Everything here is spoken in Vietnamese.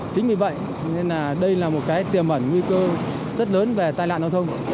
chính vì vậy đây là một tiềm ẩn nguy cơ rất lớn về tai lạc giao thông